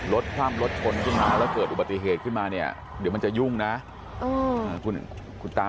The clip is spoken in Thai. คว่ำรถชนขึ้นมาแล้วเกิดอุบัติเหตุขึ้นมาเนี่ยเดี๋ยวมันจะยุ่งนะคุณตา